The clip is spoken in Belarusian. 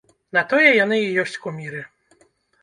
На тое яны і ёсць куміры.